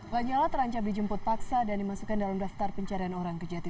lanyala terancam dijemput paksa dan dimasukkan dalam daftar pencarian orang kejati